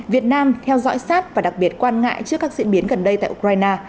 việt nam theo dõi sát và đặc biệt quan ngại trước các diễn biến gần đây tại ukraine